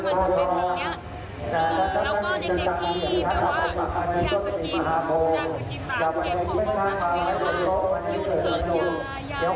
อยากจะกินป่าวเก็บขอบคุณสำหรับวิทยาลัยยืนเถิดอยู่